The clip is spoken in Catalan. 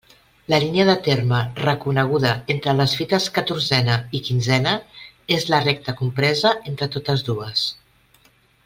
La línia de terme reconeguda entre les fites catorzena i quinzena és la recta compresa entre totes dues.